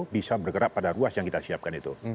bisa bergerak pada ruas yang kita siapkan itu